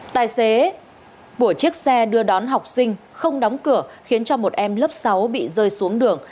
tài xế buộc chiếc xe đưa đón học sinh không đóng cửa khiến cho một em lớp sáu bị rơi xuống đường